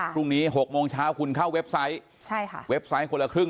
พรุ่งนี้๖โมงเช้าคุณเข้าเว็บไซต์ใช่ค่ะเว็บไซต์คนละครึ่ง